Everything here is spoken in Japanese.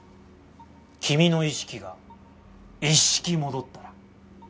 君の意識が一式戻ったら。